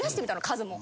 数も。